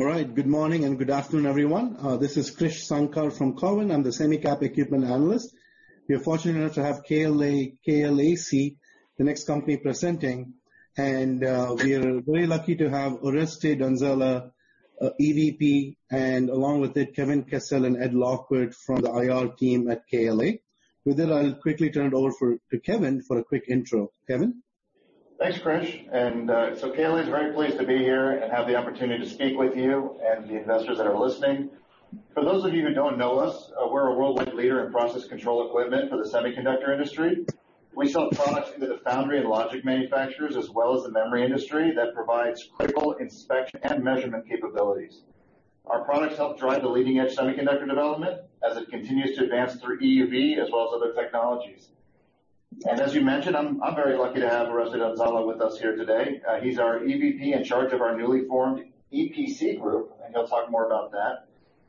All right. Good morning and good afternoon, everyone. This is Krish Sankar from Cowen. I'm the Semi Cap Equipment analyst. We are fortunate enough to have KLA, KLAC, the next company presenting, we are very lucky to have Oreste Donzella, EVP, and along with it, Kevin Kessel and Ed Lockwood from the IR team at KLA. With that, I'll quickly turn it over to Kevin for a quick intro. Kevin? Thanks, Krish. KLA is very pleased to be here and have the opportunity to speak with you and the investors that are listening. For those of you who don't know us, we're a worldwide leader in process control equipment for the semiconductor industry. We sell products into the foundry and logic manufacturers, as well as the memory industry, that provides critical inspection and measurement capabilities. Our products help drive the leading-edge semiconductor development as it continues to advance through EUV, as well as other technologies. As you mentioned, I'm very lucky to have Oreste Donzella with us here today. He's our EVP in charge of our newly formed EPC group, and he'll talk more about that.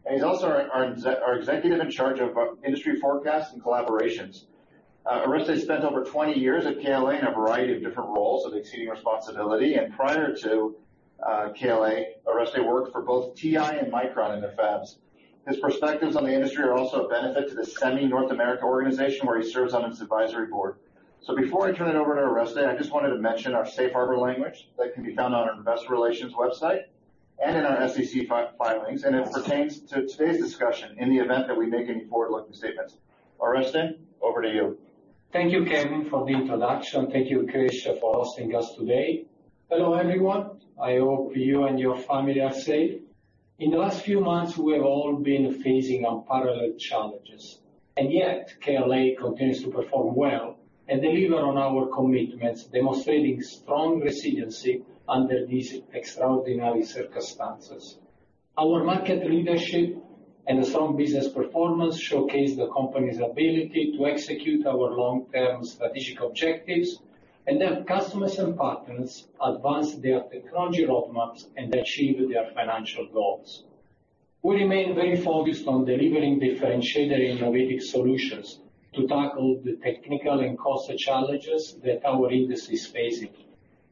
He's also our executive in charge of industry forecasts and collaborations. Oreste spent over 20 years at KLA in a variety of different roles of exceeding responsibility, and prior to KLA, Oreste worked for both TI and Micron in their fabs. His perspectives on the industry are also a benefit to the SEMI North America organization, where he serves on its advisory board. Before I turn it over to Oreste, I just wanted to mention our safe harbor language that can be found on our investor relations website and in our SEC filings, and it pertains to today's discussion in the event that we make any forward-looking statements. Oreste, over to you. Thank you, Kevin, for the introduction. Thank you, Krish, for hosting us today. Hello, everyone. I hope you and your family are safe. In the last few months, we have all been facing unparalleled challenges, yet KLA continues to perform well and deliver on our commitments, demonstrating strong resiliency under these extraordinary circumstances. Our market leadership and strong business performance showcase the company's ability to execute our long-term strategic objectives and help customers and partners advance their technology roadmaps and achieve their financial goals. We remain very focused on delivering differentiated innovative solutions to tackle the technical and cost challenges that our industry is facing.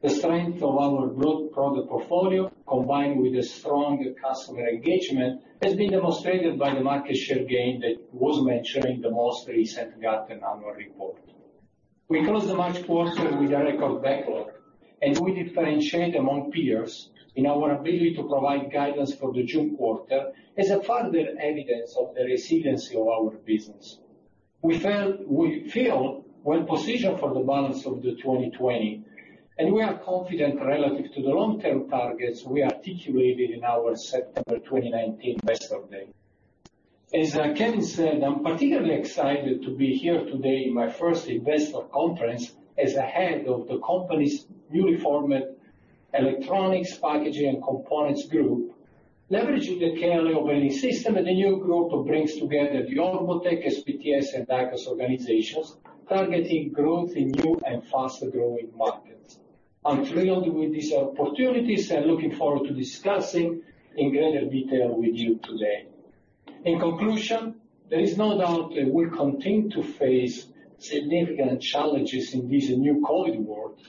The strength of our broad product portfolio, combined with the strong customer engagement, has been demonstrated by the market share gain that was mentioned in the most recent Gartner annual report. We closed the March quarter with a record backlog. We differentiate among peers in our ability to provide guidance for the June quarter as a further evidence of the resiliency of our business. We feel well-positioned for the balance of the 2020. We are confident relative to the long-term targets we articulated in our September 2019 Investor Day. As Kevin said, I'm particularly excited to be here today in my first investor conference as the head of the company's newly formed Electronics, Packaging and Components group, leveraging the KLA operating system and the new group that brings together the Orbotech, SPTS, and ICOS organizations, targeting growth in new and faster-growing markets. I'm thrilled with these opportunities and looking forward to discussing in greater detail with you today. In conclusion, there is no doubt that we'll continue to face significant challenges in this new COVID world.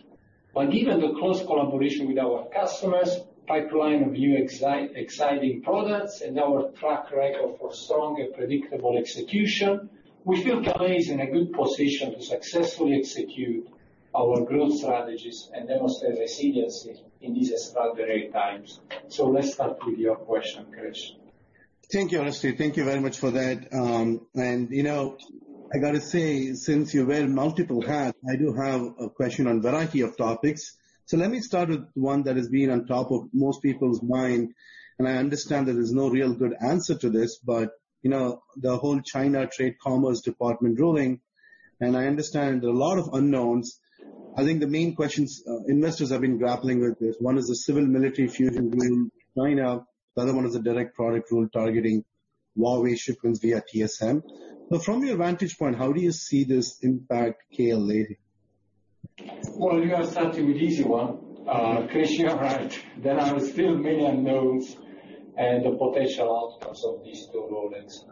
Given the close collaboration with our customers, pipeline of new exciting products, and our track record for strong and predictable execution, we feel KLA is in a good position to successfully execute our growth strategies and demonstrate resiliency in these extraordinary times. Let's start with your question, Krish. Thank you, Oreste. Thank you very much for that. I got to say, since you wear multiple hats, I do have a question on variety of topics. Let me start with one that has been on top of most people's mind, and I understand that there's no real good answer to this, but the whole China trade Commerce Department ruling, and I understand there are a lot of unknowns. I think the main questions investors have been grappling with is, one is the Military-Civil Fusion regime in China. The other one is the foreign direct product rule targeting Huawei shipments via TSM. From your vantage point, how do you see this impact KLA? Well, you are starting with easy one. Krish, you are right. There are still many unknowns and the potential outcomes of these two rulings.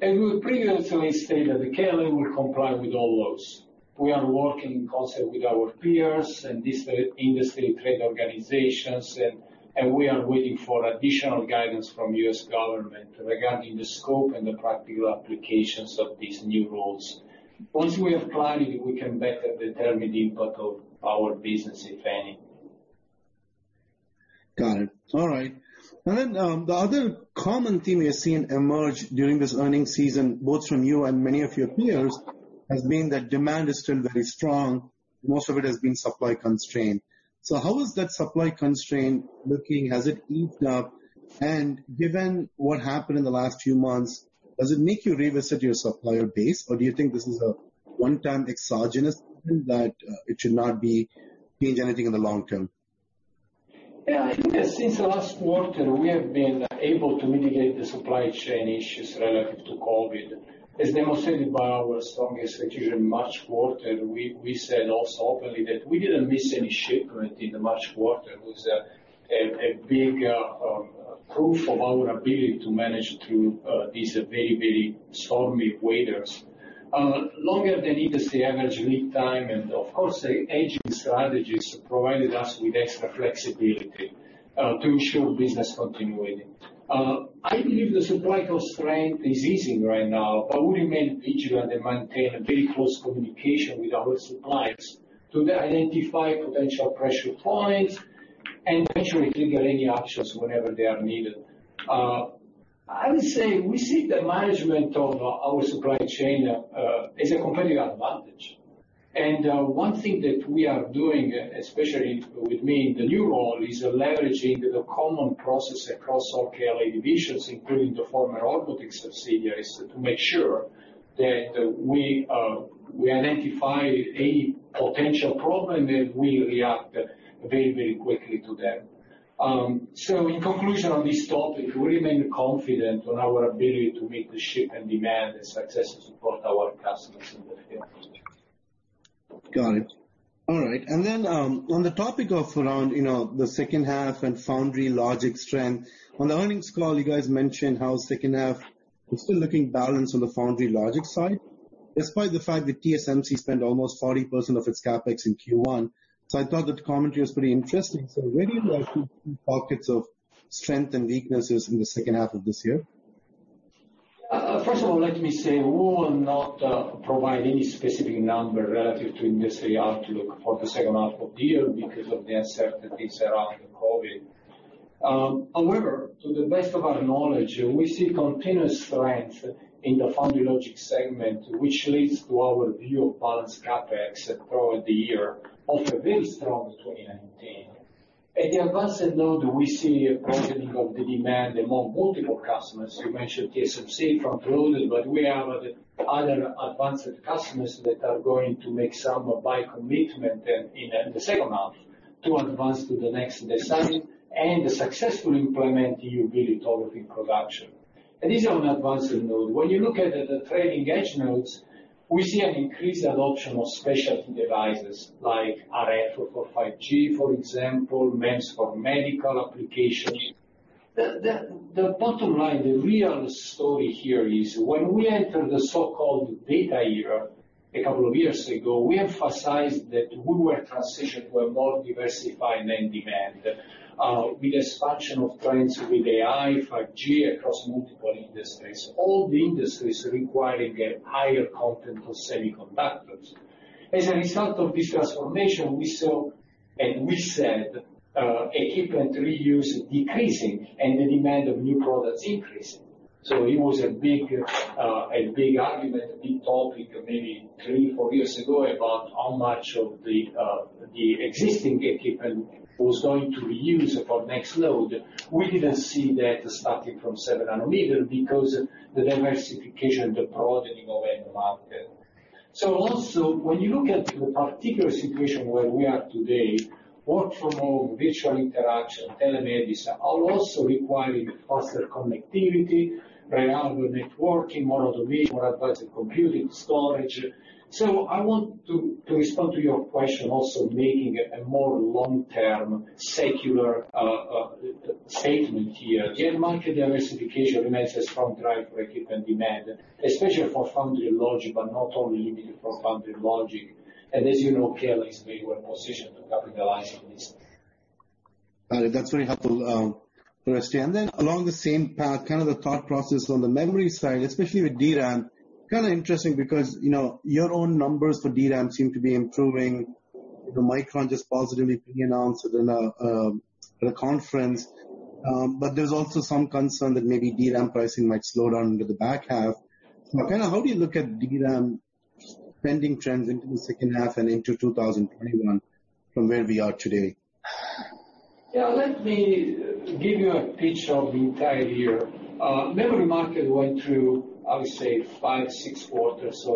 We previously stated that KLA will comply with all laws. We are working in concert with our peers and industry trade organizations, and we are waiting for additional guidance from U.S. government regarding the scope and the practical applications of these new rules. Once we have clarity, we can better determine the impact of our business, if any. Got it. All right. The other common theme we have seen emerge during this earnings season, both from you and many of your peers, has been that demand is still very strong. Most of it has been supply-constrained. How is that supply constraint looking? Has it eased up? Given what happened in the last few months, does it make you revisit your supplier base, or do you think this is a one-time exogenous event that it should not change anything in the long term? Yeah, I think that since last quarter, we have been able to mitigate the supply chain issues relative to COVID. As demonstrated by our strong execution March quarter, we said also openly that we didn't miss any shipment in the March quarter. It was a big proof of our ability to manage through these very, very stormy waters. Longer than industry average lead time, of course, the hedging strategies provided us with extra flexibility to ensure business continuity. I believe the supply constraint is easing right now, but we remain vigilant and maintain a very close communication with our suppliers to identify potential pressure points and eventually trigger any options whenever they are needed. I would say we see the management of our supply chain as a competitive advantage. One thing that we are doing, especially with me in the new role, is leveraging the common process across all KLA divisions, including the former Orbotech subsidiary, is to make sure that we identify any potential problem, then we react very quickly to that. In conclusion on this topic, we remain confident on our ability to meet the ship and demand and successfully support our customers in the future. Got it. All right. On the topic of around the second half and foundry logic strength, on the earnings call, you guys mentioned how second half is still looking balanced on the foundry logic side, despite the fact that TSMC spent almost 40% of its CapEx in Q1. I thought that the commentary was pretty interesting. Where do you actually see pockets of strength and weaknesses in the second half of this year? First of all, let me say, we will not provide any specific number relative to industry outlook for the second half of the year because of the uncertainties around the COVID. To the best of our knowledge, we see continuous strength in the foundry logic segment, which leads to our view of balanced CapEx throughout the year after a very strong 2019. At the advanced node, we see a broadening of the demand among multiple customers. You mentioned TSMC frontloaded, we have other advanced customers that are going to make some buy commitment in the second half to advance to the next design and successfully implement EUV lithography production. These are on advanced node. When you look at the trailing edge nodes, we see an increased adoption of specialty devices like RF for 5G, for example, MEMS for medical applications. The bottom line, the real story here is when we entered the so-called data era a couple of years ago, we emphasized that we will transition to a more diversified NAND demand with expansion of trends with AI, 5G across multiple industries, all the industries requiring a higher content of semiconductors. As a result of this transformation, we saw, and we said, equipment reuse decreasing and the demand of new products increasing. It was a big argument, big topic, maybe three, four years ago, about how much of the existing equipment was going to reuse for next node. We didn't see that starting from seven nanometer because the diversification, the broadening of end market. Also when you look at the particular situation where we are today, work from home, virtual interaction, telemedicine, are also requiring faster connectivity, reliable networking, more automation, more advanced computing storage. I want to respond to your question also making a more long-term secular statement here. The market diversification remains a strong drive for equipment demand, especially for foundry logic, but not only limited for foundry logic. As you know, KLA is very well positioned to capitalize on this. All right. That's very helpful, Oreste. Along the same path, the thought process on the memory side, especially with DRAM, interesting because your own numbers for DRAM seem to be improving. Micron just positively pre-announced at a conference. There's also some concern that maybe DRAM pricing might slow down into the back half. How do you look at DRAM spending trends into the second half and into 2021 from where we are today? Let me give you a picture of the entire year. Memory market went through, I would say, five, six quarters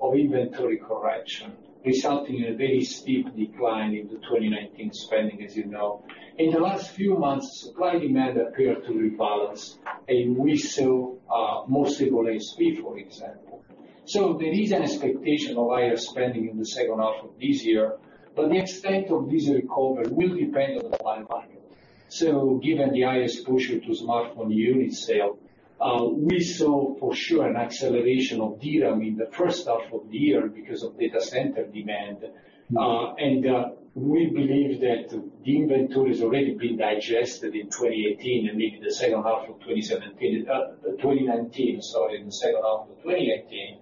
of inventory correction, resulting in a very steep decline into 2019 spending, as you know. In the last few months, supply and demand appeared to rebalance, and we saw more stabilized speed, for example. There is an expectation of higher spending in the second half of this year, but the extent of this recovery will depend on the 5G market. Given the high exposure to smartphone unit sale, we saw for sure an acceleration of DRAM in the first half of the year because of data center demand. We believe that the inventory has already been digested in 2018 and maybe the second half of 2017, 2019, sorry, in the second half of 2018.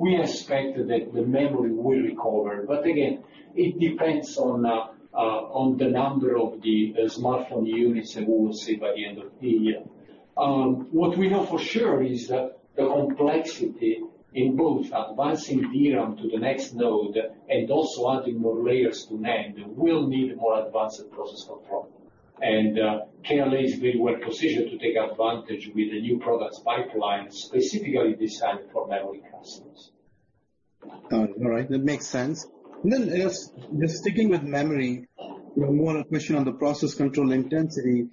We expect that the memory will recover. Again, it depends on the number of the smartphone units that we will see by the end of the year. What we know for sure is that the complexity in both advancing DRAM to the next node and also adding more layers to NAND will need more advanced process control. KLA is very well positioned to take advantage with the new products pipeline specifically designed for memory customers. Got it. All right. That makes sense. Just sticking with memory, more a question on the process control intensity.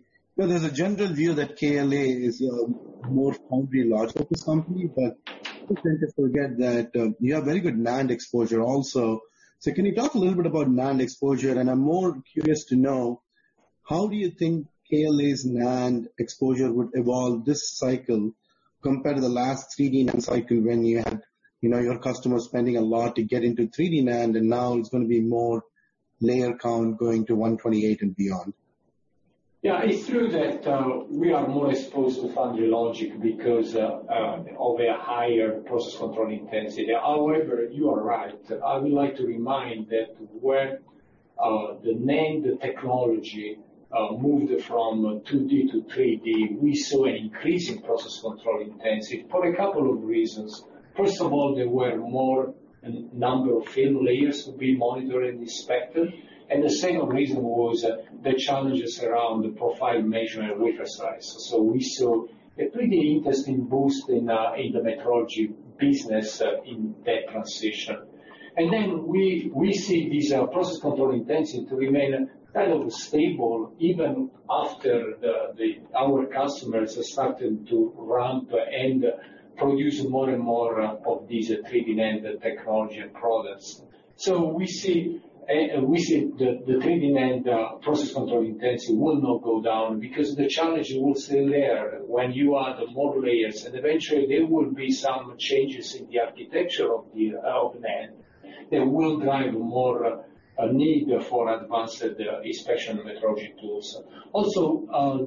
There's a general view that KLA is a more foundry logic-focused company, but people tend to forget that you have very good NAND exposure also. Can you talk a little bit about NAND exposure? I'm more curious to know, how do you think KLA's NAND exposure would evolve this cycle compared to the last 3D NAND cycle when you had your customers spending a lot to get into 3D NAND, and now it's going to be more layer count going to 128 and beyond? It's true that we are more exposed to foundry logic because of a higher process control intensity. You are right. I would like to remind that when the NAND technology moved from 2D to 3D, we saw an increase in process control intensity for a couple of reasons. First of all, there were more number of film layers to be monitored and inspected, and the second reason was the challenges around the profile measurement wafer size. We saw a pretty interesting boost in the metrology business in that transition. We see this process control intensity to remain kind of stable even after our customers started to ramp and produce more and more of these 3D NAND technology and products. We see the 3D NAND process control intensity will not go down because the challenge will still there when you add more layers. Eventually there will be some changes in the architecture of NAND that will drive more need for advanced inspection metrology tools.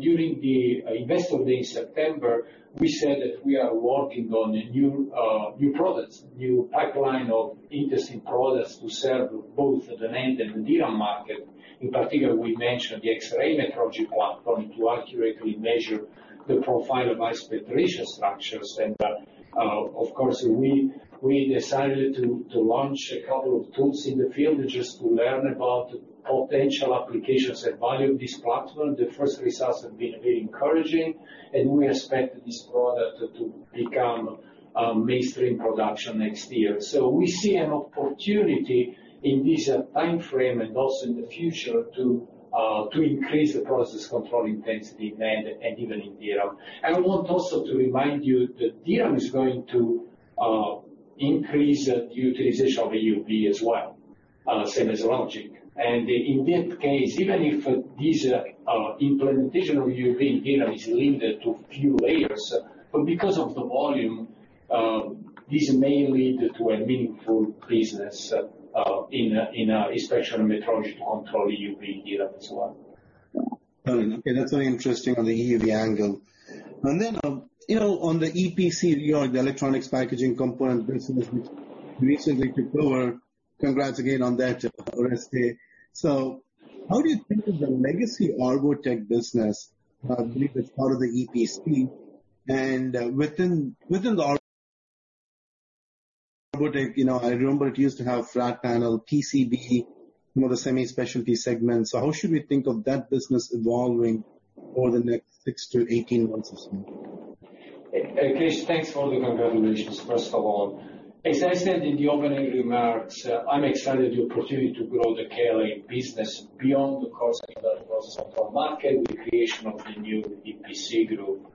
During the Investor Day in September, we said that we are working on new products, new pipeline of interesting products to serve both the NAND and the DRAM market. In particular, we mentioned the X-ray metrology platform to accurately measure the profile of isolated retention structures. Of course, we decided to launch a couple of tools in the field just to learn about potential applications and value of this platform. The first results have been very encouraging, and we expect this product to become mainstream production next year. We see an opportunity in this time frame and also in the future to increase the process control intensity in NAND and even in DRAM. I want also to remind you that DRAM is going to increase utilization of EUV as well, same as logic. In that case, even if this implementation of EUV in DRAM is limited to few layers, but because of the volume, this may lead to a meaningful business in inspection metrology to control EUV DRAM as well. Okay, that's very interesting on the EUV angle. On the EPC, the electronics packaging component business which recently took over, congrats again on that, Oreste. How do you think the legacy Orbotech business, I believe it's part of the EPC and within the Orbotech, I remember it used to have flat panel PCB, more the semi specialty segment. How should we think of that business evolving over the next 6-18 months or so? Krish, thanks for the congratulations, first of all. As I said in the opening remarks, I'm excited the opportunity to grow the KLA business beyond the cost of that process for market with the creation of the new EPC group.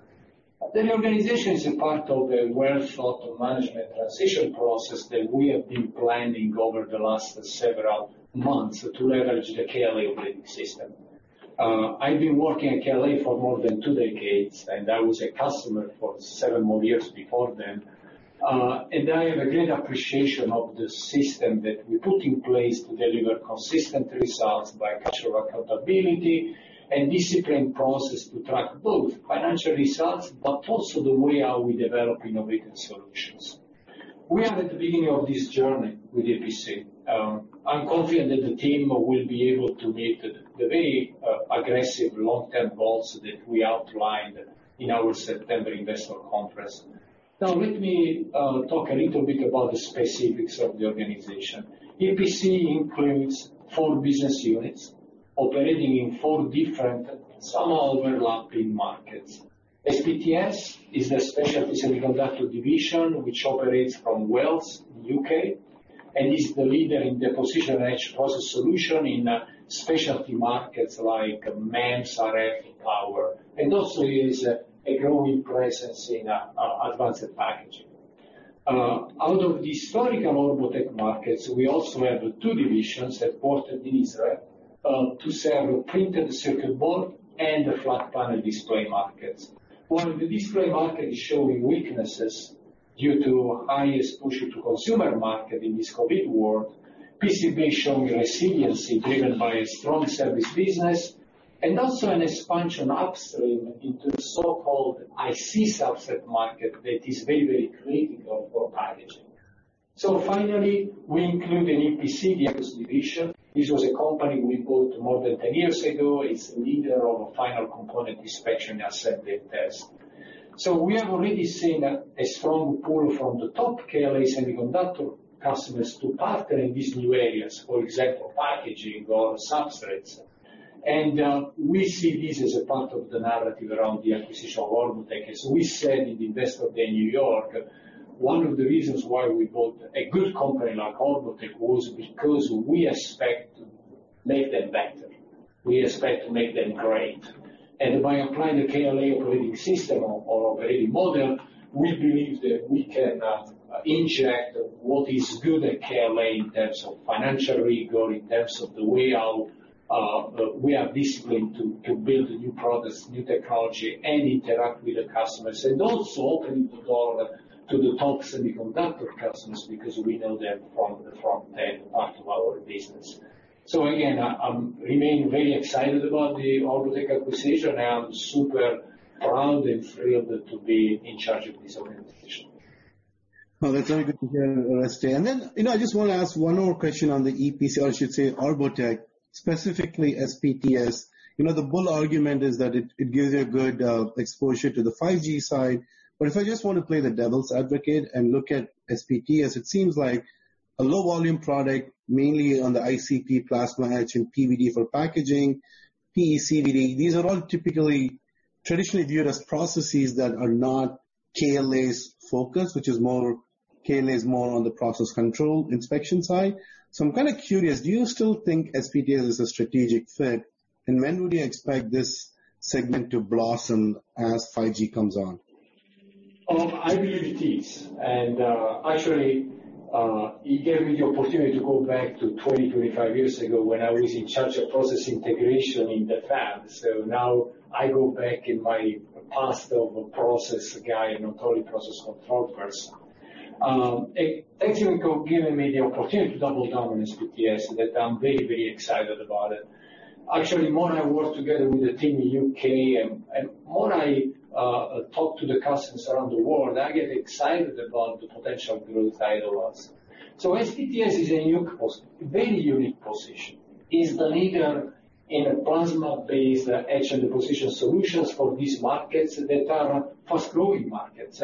The organization is a part of a well-thought management transition process that we have been planning over the last several months to leverage the KLA operating system. I've been working at KLA for more than two decades, and I was a customer for seven more years before then. I have a great appreciation of the system that we put in place to deliver consistent results by cultural accountability and disciplined process to track both financial results, but also the way how we develop innovative solutions. We are at the beginning of this journey with EPC. I'm confident that the team will be able to meet the very aggressive long-term goals that we outlined in our September investor conference. Let me talk a little bit about the specifics of the organization. EPC includes four business units operating in four different, somewhat overlapping markets. SPTS is a specialty semiconductor division which operates from Wales, U.K., and is the leader in deposition etch process solution in specialty markets like MEMS, RF, and power, and also is a growing presence in advanced packaging. Out of the historical Orbotech markets, we also have two divisions headquartered in Israel, to serve printed circuit board and the flat panel display markets. While the display market is showing weaknesses due to highest push to consumer market in this COVID world, PCB is showing resiliency driven by a strong service business and also an expansion upstream into the so-called IC substrate market that is very, very critical for packaging. Finally, we include an EPC ICOS division, which was a company we bought more than 10 years ago. It's the leader of final component inspection accepted test. We have already seen a strong pull from the top KLA semiconductor customers to partner in these new areas, for example, packaging or substrates. We see this as a part of the narrative around the acquisition of Orbotech. As we said in Investor Day, New York, one of the reasons why we bought a good company like Orbotech was because we expect to make them better. We expect to make them great. By applying the KLA operating system or operating model, we believe that we can inject what is good at KLA in terms of financial rigor, in terms of the way how we are disciplined to build new products, new technology, and interact with the customers. Also opening the door to the top semiconductor customers because we know them from the front end part of our business. Again, I remain very excited about the Orbotech acquisition. I am super proud and thrilled to be in charge of this organization. Oh, that's very good to hear, Oreste. I just want to ask one more question on the EPC, or I should say Orbotech, specifically SPTS. The bull argument is that it gives you a good exposure to the 5G side. If I just want to play the devil's advocate and look at SPTS, it seems like a low-volume product, mainly on the ICP plasma etch and PVD for packaging. PECVD, these are all typically traditionally viewed as processes that are not KLA's focus, KLA is more on the process control inspection side. I'm kind of curious, do you still think SPTS is a strategic fit? When would you expect this segment to blossom as 5G comes on? I believe it is. Actually, it gave me the opportunity to go back to 20, 25 years ago when I was in charge of process integration in the fab. Now I go back in my past of a process guy, not only process control person. It actually given me the opportunity to double down on SPTS that I'm very excited about it. Actually, the more I work together with the team in U.K., more I talk to the customers around the world, I get excited about the potential growth ahead of us. SPTS is in a very unique position. It's the leader in plasma-based etch and deposition solutions for these markets that are fast-growing markets.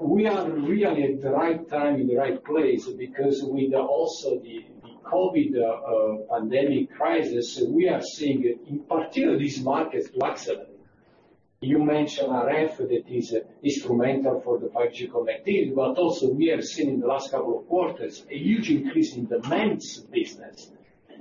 We are really at the right time, in the right place because with also the COVID pandemic crisis, we are seeing, in particular, these markets accelerate. You mentioned RF that is instrumental for the 5G connectivity, but also we have seen in the last couple of quarters a huge increase in the MEMS business.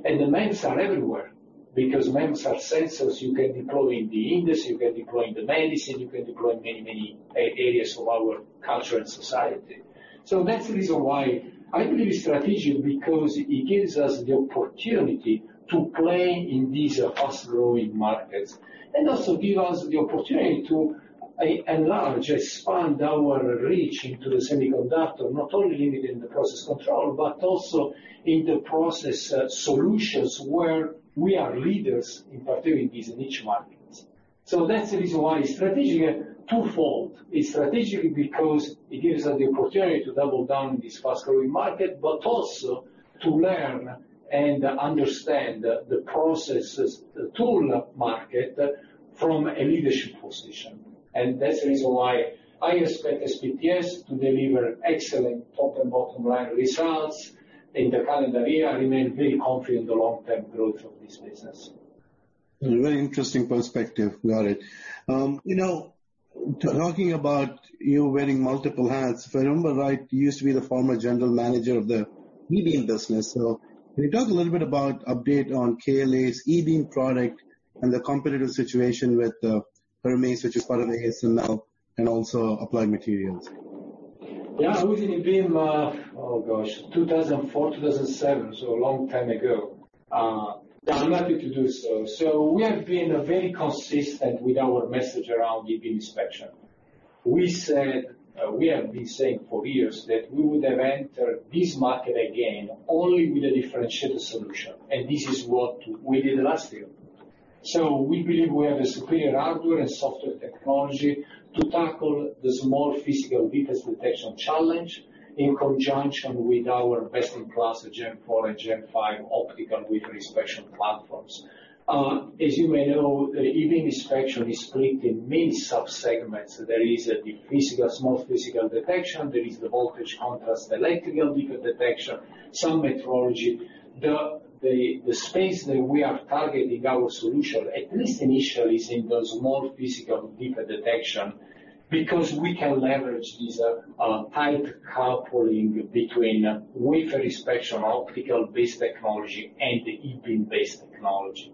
The MEMS are everywhere because MEMS are sensors you can deploy in the industry, you can deploy in the medicine, you can deploy in many areas of our culture and society. That's the reason why I believe strategic, because it gives us the opportunity to play in these fast-growing markets, and also give us the opportunity to enlarge, expand our reach into the semiconductor, not only limited in the process control, but also in the process solutions where we are leaders, in particular in these niche markets. That's the reason why strategic, twofold. It's strategic because it gives us the opportunity to double down in this fast-growing market, but also to learn and understand the processes, the tool market from a leadership position. That's the reason why I expect SPTS to deliver excellent top and bottom-line results in the calendar year. I remain very confident in the long-term growth of this business. A very interesting perspective. Got it. Talking about you wearing multiple hats. If I remember right, you used to be the former general manager of the e-beam business. Can you talk a little bit about update on KLA's e-beam product and the competitive situation with HMI, which is part of ASML, and also Applied Materials? Yeah. I was in e-beam 2004-2007, a long time ago. I'm happy to do so. We have been very consistent with our message around e-beam inspection. We have been saying for years that we would have entered this market again only with a differentiated solution, and this is what we did last year. We believe we have a superior hardware and software technology to tackle the small physical defects detection challenge in conjunction with our best-in-class Gen4 and Gen5 optical wafer inspection platforms. As you may know, e-beam inspection is split in many sub-segments. There is the small physical detection, there is the voltage contrast electrical defect detection, some metrology. The space that we are targeting our solution, at least initially, is in the small physical defect detection because we can leverage this tight coupling between wafer inspection, optical-based technology, and the e-beam-based technology.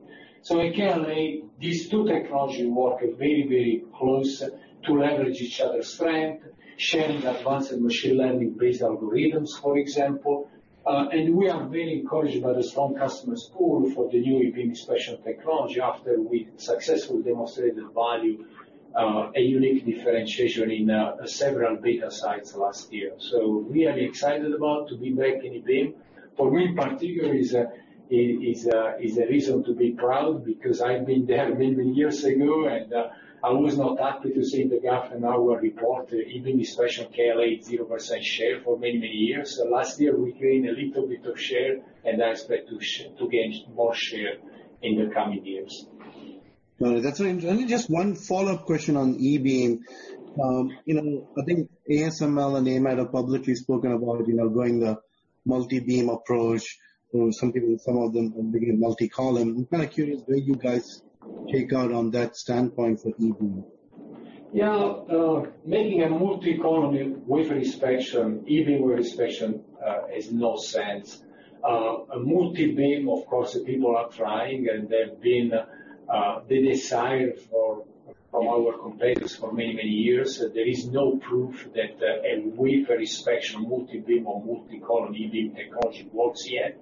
At KLA, these two technology work very close to leverage each other's strength, sharing advanced and machine learning-based algorithms, for example. We are very encouraged by the strong customer's pull for the new e-beam inspection technology after we successfully demonstrated value, a unique differentiation in several beta sites last year. We are excited about to be back in e-beam. For me, in particular, is a reason to be proud because I've been there many years ago. I was not happy to see the gap in our report, e-beam inspection KLA at 0% share for many years. Last year, we gained a little bit of share, and I expect to gain more share in the coming years. All right. That's very interesting. Just one follow-up question on e-beam. I think ASML and AMAT have publicly spoken about going the multi-beam approach or some of them are bringing multi-column. I'm kind of curious where you guys take out on that standpoint for e-beam. Making a multi-column wafer inspection, e-beam wafer inspection has no sense. A multi-beam, of course, people are trying, and they've been the desire for our competitors for many years. There is no proof that a wafer inspection multi-beam or multi-column e-beam technology works yet.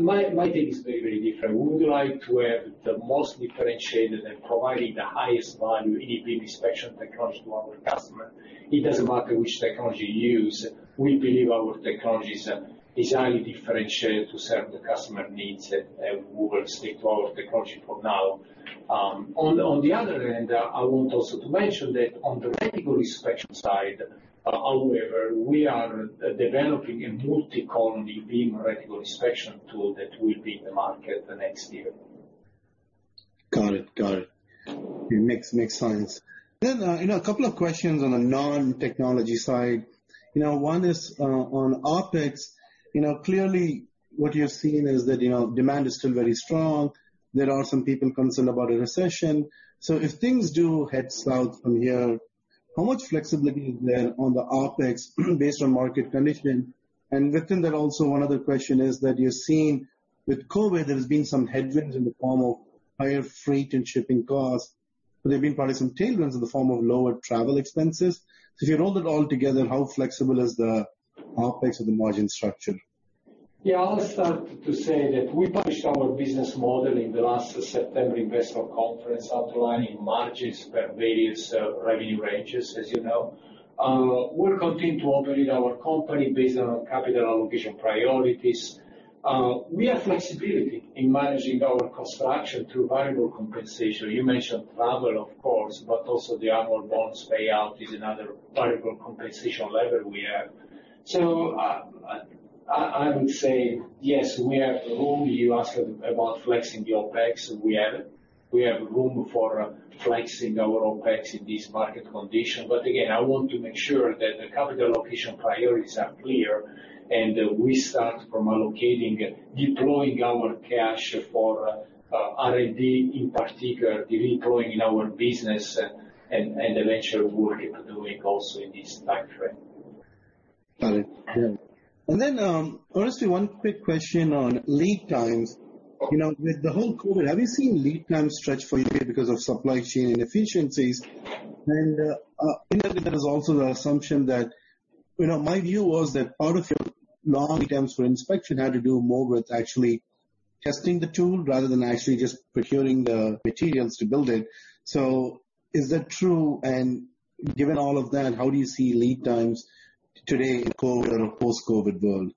My take is very different. We would like to have the most differentiated and providing the highest value e-beam inspection technology to our customer. It doesn't matter which technology you use. We believe our technology is highly differentiated to serve the customer needs, and we will stick to our technology for now. On the other hand, I want also to mention that on the reticle inspection side, however, we are developing a multi-column e-beam reticle inspection tool that will be in the market the next year. Got it. Makes sense. A couple of questions on the non-technology side. One is on OpEx. Clearly, what you're seeing is that demand is still very strong. There are some people concerned about a recession. If things do head south from here, how much flexibility is there on the OpEx based on market conditions? Within that also, one other question is that you're seeing with COVID, there's been some headwinds in the form of higher freight and shipping costs. There've been probably some tailwinds in the form of lower travel expenses. If you roll it all together, how flexible is the OpEx of the margin structure? I'll start to say that we published our business model in the last September investor conference outlining margins for various revenue ranges, as you know. We'll continue to operate our company based on our capital allocation priorities. We have flexibility in managing our cost structure through variable compensation. You mentioned travel, of course, also the annual bonus payout is another variable compensation lever we have. I would say yes, we have the room. You asked about flexing the OpEx. We have room for flexing our OpEx in this market condition. Again, I want to make sure that the capital allocation priorities are clear, and we start from allocating, deploying our cash for R&D in particular, deploying in our business and eventually we're doing also in this time frame. Got it. Then, Oreste, one quick question on lead times. With the whole COVID, have you seen lead times stretch for you because of supply chain inefficiencies? There is also the assumption. My view was that part of your long lead times for inspection had to do more with actually testing the tool rather than actually just procuring the materials to build it. Is that true? Given all of that, how do you see lead times today in a COVID or post-COVID world?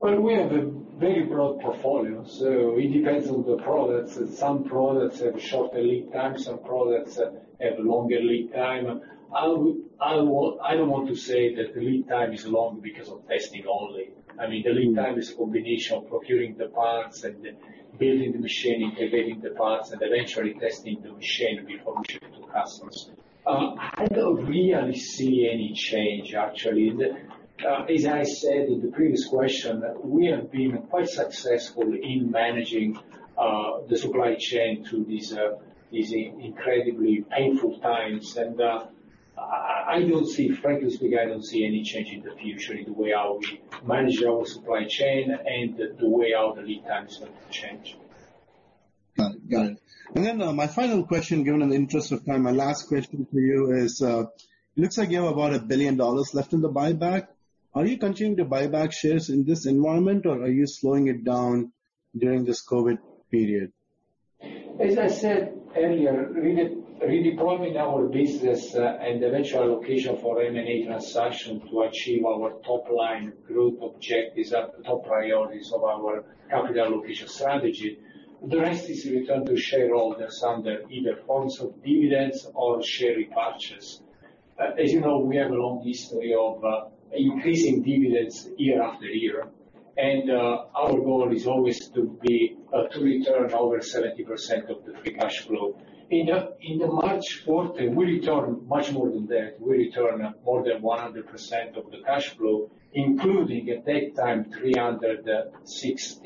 Well, we have a very broad portfolio. It depends on the products. Some products have shorter lead times, some products have longer lead time. I don't want to say that the lead time is long because of testing only. The lead time is a combination of procuring the parts and building the machine, integrating the parts, and eventually testing the machine before we ship it to customers. I don't really see any change, actually. As I said in the previous question, we have been quite successful in managing the supply chain through these incredibly painful times. Frankly speaking, I don't see any change in the future in the way how we manage our supply chain and the way our lead times have changed. Got it. My final question, given in the interest of time, my last question for you is, looks like you have about $1 billion left in the buyback. Are you continuing to buy back shares in this environment, or are you slowing it down during this COVID period? As I said earlier, redeploying our business and eventual allocation for M&A transaction to achieve our top-line group objectives are top priorities of our capital allocation strategy. The rest is returned to shareholders under either forms of dividends or share repurchases. As you know, we have a long history of increasing dividends year after year. Our goal is always to return over 70% of the free cash flow. In the March quarter, we returned much more than that. We returned more than 100% of the cash flow, including at that time, $316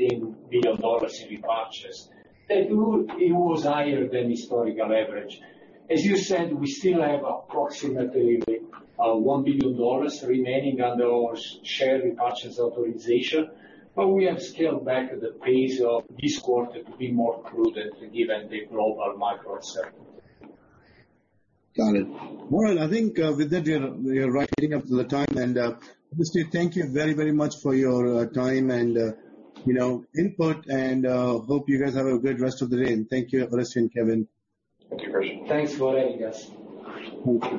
million in repurchases. It was higher than historical average. As you said, we still have approximately $1 billion remaining under our share repurchase authorization. We have scaled back the pace of this quarter to be more prudent given the global macro uncertainty. Got it. Oreste, I think with that, we are right at the time. Oreste, thank you very much for your time and input and hope you guys have a good rest of the day. Thank you, Oreste and Kevin. Thank you, Krish. Thanks, Sankar, and guys. Thank you.